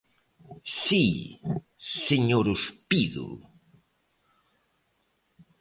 ¿Si, señor Ospido?